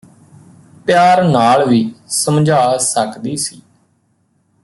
ਪਿਆਰ ਨਾਲ ਵੀ ਸਮਝਾ ਸਕਦੀ ਸੀ